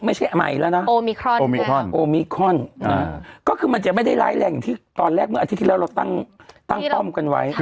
ไม่ใช่ไอแล้วนะโอมิครอนก็คือมันจะไม่ได้ร้ายแรงอย่างที่ตอนแรกเมื่ออาทิตย์ที่แล้วเราตั้งป้อมกันไว้